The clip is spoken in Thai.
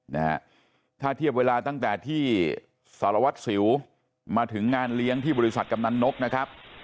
นะฮะถ้าเทียบเวลาตั้งแต่ที่สารวัตรสิวมาถึงงานเลี้ยงที่บริษัทกำนันนกนะครับ